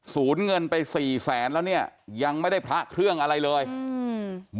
ศูนย์เงินไปสี่แสนแล้วเนี้ยยังไม่ได้พระเครื่องอะไรเลยอืม